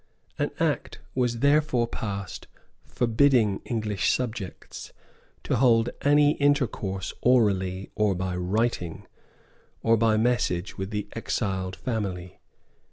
An Act was therefore passed forbidding English subjects to hold any intercourse orally, or by writing, or by message, with the exiled family.